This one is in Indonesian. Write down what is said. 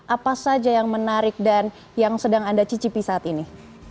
apa saja yang menarik dan yang sedang anda cicipi saat ini